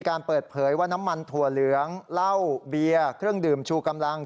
การเปิดเผยว่าน้ำมันถั่วเหลืองเหล้าเบียร์เครื่องดื่มชูกำลัง